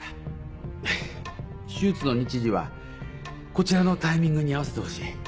ハァ手術の日時はこちらのタイミングに合わせてほしい。